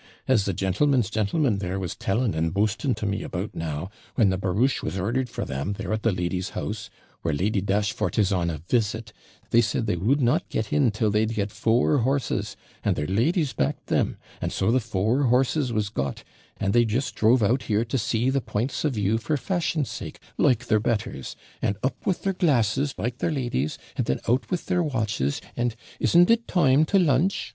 As the gentleman's gentleman there was telling and boasting to me about now, when the barouche was ordered for them, there at the lady's house, where Lady Dashfort is on a visit they said they would not get in till they'd get four horses; and their ladies backed them; and so the four horses was got; and they just drove out here, to see the points of view for fashion's sake, like their betters; and up with their glasses, like their ladies; and then out with their watches, and "Isn't it time to lunch?"